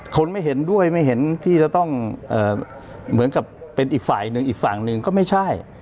คนไม่เห็นด้วยไม่เห็นที่จะต้องเหมือนกับเป็นอีกฝ่ายหนึ่งอีกฝั่งหนึ่งก็ไม่ใช่